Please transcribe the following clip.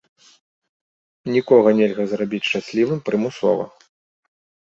Нікога нельга зрабіць шчаслівым прымусова.